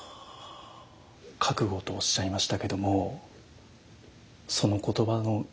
覚悟とおっしゃいましたけどもその言葉の持つ意味というのは。